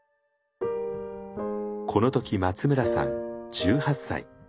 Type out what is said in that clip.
この時松村さん１８歳。